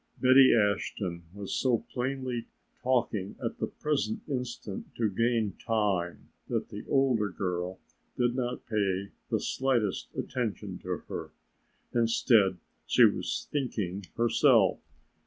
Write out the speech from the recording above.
Betty Ashton was so plainly talking at the present instant to gain time that the older girl did not pay the slightest attention to her; instead, she was thinking herself.